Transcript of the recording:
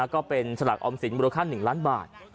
ก็เป็นสลากออมสินมูลค่า๑ล้านบาท